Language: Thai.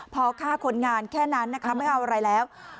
พอฆ่าคนงานแค่นั้นนะคะไม่เอาอะไรแล้ว